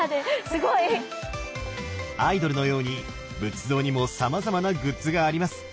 すごい。アイドルのように仏像にもさまざまなグッズがあります。